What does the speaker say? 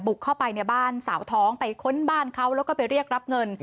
เข้าไปในบ้านสาวท้องไปค้นบ้านเขาแล้วก็ไปเรียกรับเงิน